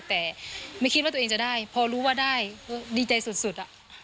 แต่ไม่คิดว่าตัวเองจะได้พอรู้ว่าได้ก็ดีใจสุด